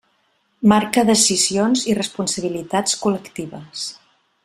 Marca decisions i responsabilitats col·lectives.